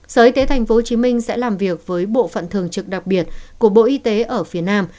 sở y tế tp hcm sẽ làm việc với bộ phận thường trực đặc biệt của bộ y tế ở phía nam